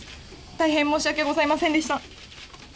大変申し訳ございませんでした。